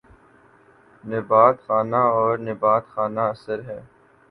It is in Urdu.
نبات خانہ اور نبات خانہ اثر ہیں